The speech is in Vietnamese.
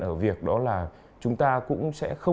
ở việc đó là chúng ta cũng sẽ